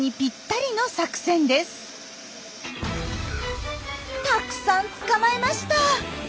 たくさん捕まえました。